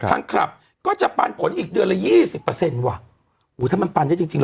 คลับก็จะปันผลอีกเดือนละยี่สิบเปอร์เซ็นต์ว่ะอู๋ถ้ามันปันได้จริงจริง